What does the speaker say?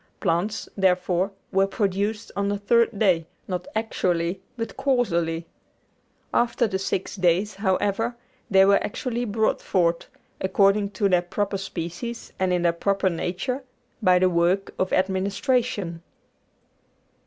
Plants, therefore, were produced on the third day, not actually, but causally. After the six days, however, they were actually brought forth, according to their proper species and in their proper nature, by the work of administration.